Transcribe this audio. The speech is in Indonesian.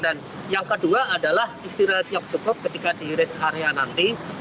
dan yang kedua adalah istirahatnya cukup ketika diiris area nanti